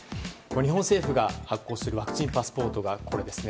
日本政府が発行するワクチンパスポートです。